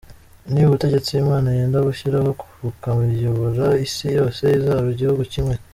Ni ubutegetsi imana yenda gushyiraho bukayobora isi yose izaba igihugu kimwe.